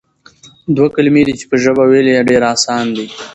دوه کلمې دي چې په ژبه ويل ئي ډېر آسان دي،